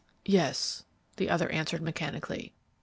"Yes," the other answered, mechanically.